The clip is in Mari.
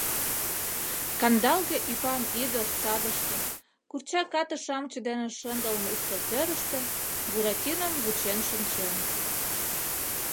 Кандалге ӱпан ӱдыр садыште, курчак ате-шамыч дене шындылме ӱстелтӧрыштӧ Буратином вучен шинчен.